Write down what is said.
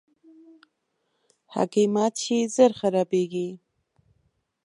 هګۍ مات شي، ژر خرابیږي.